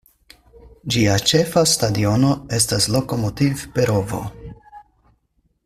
Ĝia ĉefa stadiono estas Lokomotiv-Perovo.